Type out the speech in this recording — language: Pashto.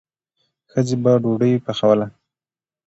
ښځې به ډوډۍ پخوله.